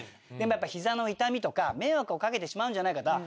でもやっぱひざの痛みとか迷惑をかけてしまうんじゃないか。